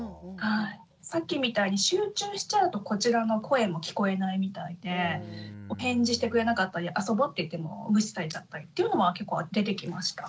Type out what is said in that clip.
さっきみたいに集中しちゃうとこちらの声も聞こえないみたいでお返事してくれなかったり遊ぼって言っても無視されちゃったりっていうのも結構出てきました。